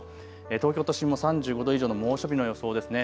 東京都心も３５度以上の猛暑日の予想です。